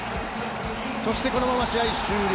そしてこのまま試合終了。